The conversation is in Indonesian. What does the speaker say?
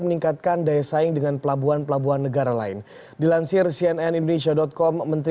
meningkatkan daya saing dengan pelabuhan pelabuhan negara lain dilansir cnn indonesia com menteri